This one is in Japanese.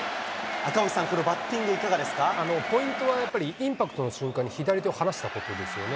赤星さん、このバッティングいかポイントはやっぱり、インパクトの瞬間に左手を離したことですよね。